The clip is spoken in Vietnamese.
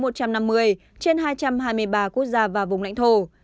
trên hai trăm hai mươi ba quốc gia và vùng lãnh thổ